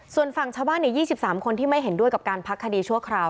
ส่วนฝั่งชาวบ้านอีก๒๓คนที่ไม่เห็นด้วยกับการพักคดีชั่วคราว